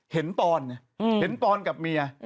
เห็นตอนะเห็นตอนกับเมีย